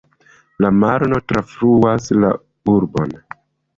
La Marno trafluas la urbon.